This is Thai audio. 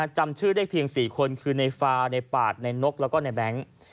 จำชื่อได้เพียง๔คนคือในฟาในปาดในนกแล้วก็ในแบงค์